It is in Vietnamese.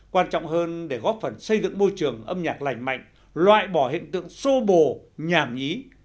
quan trọng hơn để góp phần xây dựng môi trường âm nhạc lành mạnh loại bỏ hiện tượng sô bồ nhảm nhí